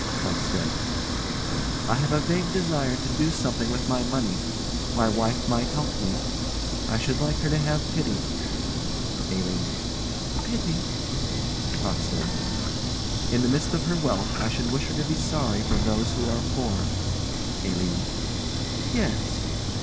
CROCKSTEAD. I have a vague desire to do something with my money: my wife might help me. I should like her to have pity. ALINE. Pity? CROCKSTEAD. In the midst of her wealth I should wish her to be sorry for those who are poor. ALINE. Yes.